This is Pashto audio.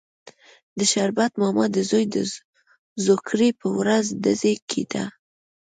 د شربت ماما د زوی د زوکړې پر ورځ ډزې کېدې.